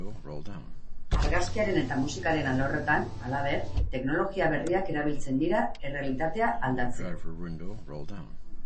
Argazkiaren eta musikaren alorretan, halaber, teknologia berriak erabiltzen dira errealitatea aldatzeko.